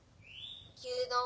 牛丼。